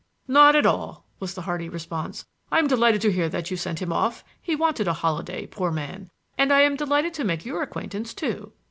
"Not at all," was the hearty response. "I'm delighted to hear that you sent him off; he wanted a holiday, poor man. And I am delighted to make your acquaintance, too."